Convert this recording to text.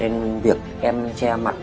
nên việc em che mặt